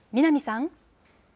南さん。